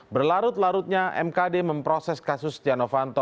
berlarut larutnya mkd memproses kasus setia novanto